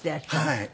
はい。